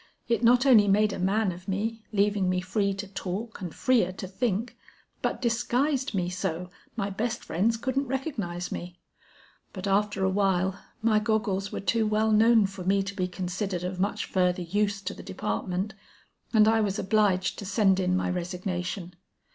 It not only made a man of me, leaving me free to talk and freer to think, but disguised me so, my best friends couldn't recognize me; but after awhile my goggles were too well known for me to be considered of much further use to the department, and I was obliged to send in my resignation.